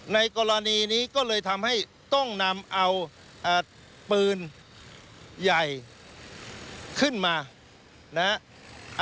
ในกรณีนี้ก็เลยทำให้ต้องนำเอาปืนใหญ่ขึ้นมานะฮะ